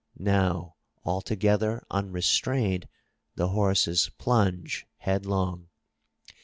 Now altogether unrestrained, the horses plunge headlong.